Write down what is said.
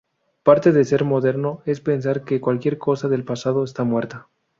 Parte de ser moderno es pensar que cualquier cosa del pasado está muerta.